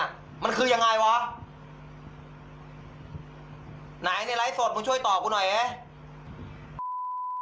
เนี่ยมันคือยังไงวะไหนในไลฟ์สดมงช่วยต่อกันหน่อยเฮะ